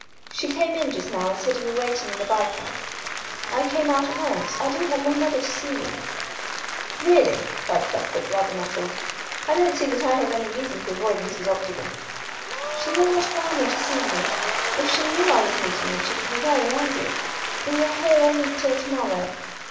"She came in just now and said you were waiting in the by path. I came out at once. I don't want my mother to see you." "Really!" cried Cuthbert, rather nettled. "I don't see that I have any reason to avoid Mrs. Octagon." "She will not allow me to see you. If she knew I was meeting you she would be very angry. We are here only till to morrow.